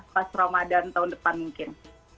pas ramadan tahun depan mungkin